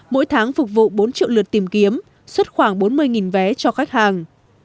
mỗi tháng phục vụ bốn triệu lượt tìm kiếm xuất khoảng bốn mươi vé cho khách hàng